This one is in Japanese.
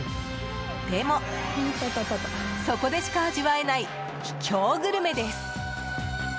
でも、そこでしか味わえない秘境グルメです。